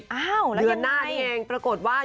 เดือนหน้านี้เองปรากฏว่า